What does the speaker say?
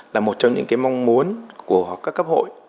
là một trong những mong muốn của các cấp hội